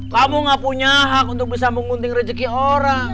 kamu gak punya hak untuk bisa mengunting rezeki orang